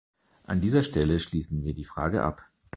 An dieser Stelle schließen wir die Frage ab.